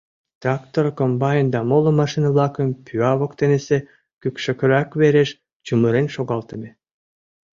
Трактор, комбайн да моло машина-влакым пӱа воктенысе кӱкшакарак вереш чумырен шогалтыме.